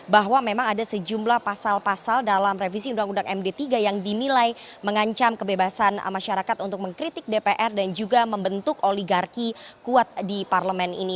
bahwa memang ada sejumlah pasal pasal dalam revisi undang undang md tiga yang dinilai mengancam kebebasan masyarakat untuk mengkritik dpr dan juga membentuk oligarki kuat di parlemen ini